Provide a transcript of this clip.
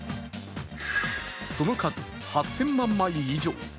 その数、８０００万枚以上。